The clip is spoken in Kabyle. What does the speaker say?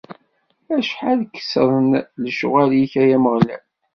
Acḥal kettren lecɣwal-ik, a Ameɣlal!